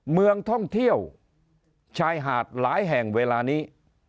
เมืองท่องเที่ยวชายหาดหลายแห่งเวลานี้